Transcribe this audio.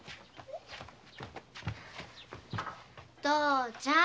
父ちゃん！